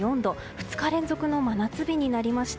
２日連続の真夏日になりました。